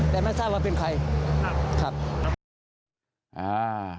แต่ไม่ทราบว่าเป็นใครครับครับอ่า